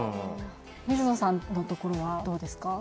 水野さんのところはどうですか？